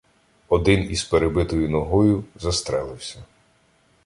Один, із перебитою ногою, застрелився.